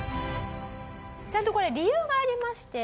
ちゃんとこれ理由がありまして。